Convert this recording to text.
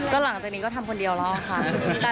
ก็หลังจากนี้ก็ทำคนเดียวแล้วค่ะ